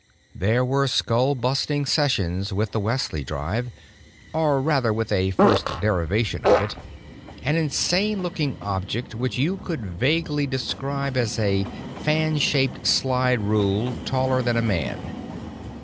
There were skull busting sessions with the Wesley drive, or rather with a first derivative of it, an insane looking object which you could vaguely describe as a fan shaped slide rule taller than a man.